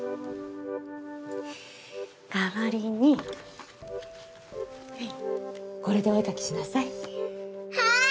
代わりにはいこれでお絵描きしなさいはい！